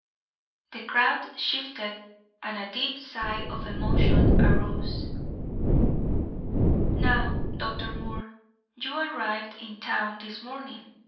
The crowd shifted and a deep sigh of emotion arose. "Now, Dr. Moore, you arrived in town this morning!